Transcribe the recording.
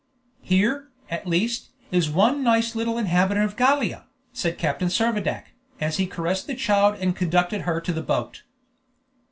"Here, at least, is one nice little inhabitant of Gallia," said Captain Servadac, as he caressed the child and conducted her to the boat.